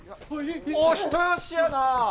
お人よしやなぁ。